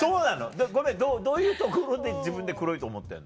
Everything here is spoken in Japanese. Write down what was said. ごめんどういうところで自分で黒いと思ってんの？